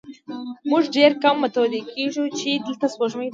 موږ ډېر کم متوجه کېږو، چې دلته سپوږمۍ